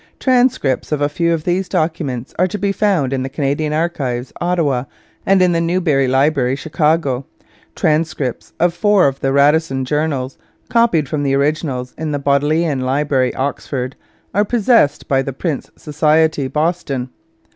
Transcripts of a few of these documents are to be found in the Canadian Archives, Ottawa, and in the Newberry Library, Chicago. Transcripts of four of the Radisson Journals copied from the originals in the Bodleian Library, Oxford are possessed by the Prince Society, Boston.